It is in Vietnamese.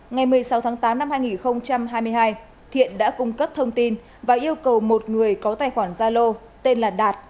ngày một mươi sáu tháng tám năm hai nghìn hai mươi hai thiện đã cung cấp thông tin và yêu cầu một người có tài khoản gia lô tên là đạt